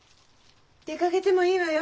出かけてもいいわよ。